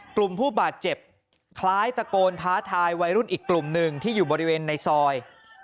กลุ่มผู้บาดเจ็บคล้ายตะโกนท้าทายวัยรุ่นอีกกลุ่มหนึ่งที่อยู่บริเวณในซอย